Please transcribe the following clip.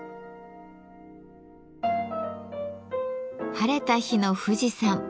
晴れた日の富士山。